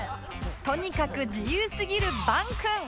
とにかく自由すぎるヴァンくん